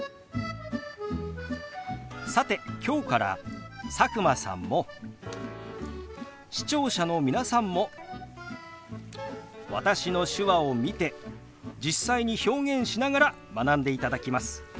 さて今日から佐久間さんも視聴者の皆さんも私の手話を見て実際に表現しながら学んでいただきます。